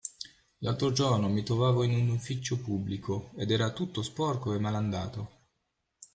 L’altro giorno mi trovavo in un ufficio pubblico ed era tutto sporco e malandato.